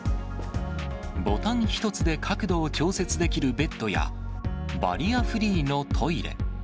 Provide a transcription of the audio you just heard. ボタン一つで角度を調節できるベッドや、バリアフリーのトイレ。